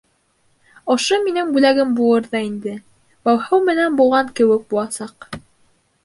Ошо минең бүләгем булыр ҙа инде... был һыу менән булған кеүек буласаҡ...